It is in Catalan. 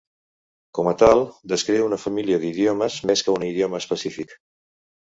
Com a tal, descriu una família d'idiomes més que un idioma específic.